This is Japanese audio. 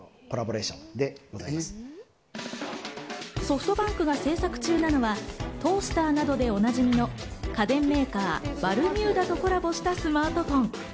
ソフトバンクが制作中なのはトースターなどでおなじみの家電メーカー、バルミューダとコラボしたスマートフォン。